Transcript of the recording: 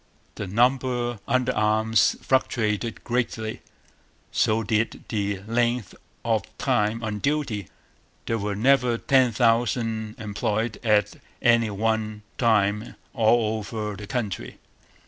The number under arms fluctuated greatly; so did the length of time on duty. There were never ten thousand employed at any one time all over the country.